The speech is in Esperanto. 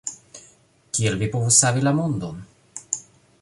Kiel vi povus savi la mondon?